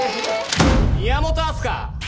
宮本明日香！